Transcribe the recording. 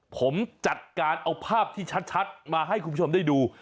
ผมจัดการเอาภาพที่ชัดมาให้คุณผู้ชมได้ดู